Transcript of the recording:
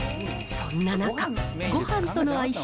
そんな中、ごはんとの相性